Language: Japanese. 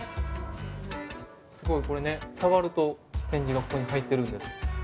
すごいこれね、触ると、点字がここに入ってるんです。